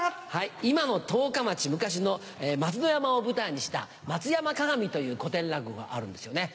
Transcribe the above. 今の十日町昔の松之山を舞台にした『松山鏡』という古典落語があるんですよね。